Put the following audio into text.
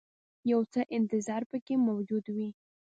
یو څه انتظار پکې موجود وي.